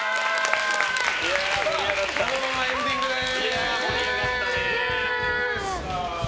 このままエンディングです。